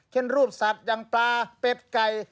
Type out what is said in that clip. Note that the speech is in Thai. เช่นรูปสัตว์อย่างปลาเป็ดไก่